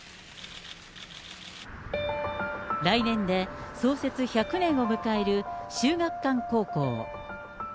来年で創設１００年を迎える秀岳館高校。